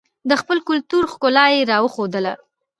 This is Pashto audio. د خپل کلتور ښکلا یې راښودله.